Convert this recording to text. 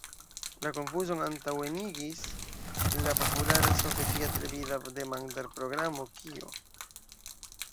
La konfuzon antaŭenigis la populara sovetia televida demandar-programo "Kio?